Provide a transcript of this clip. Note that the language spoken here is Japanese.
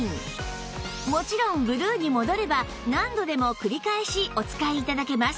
もちろんブルーに戻れば何度でも繰り返しお使い頂けます